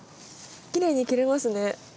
きれいに切れますね。